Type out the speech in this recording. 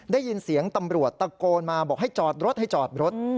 ได้ยินเสียงตำรวจตะโกนมาบอกให้จอดรถให้จอดรถ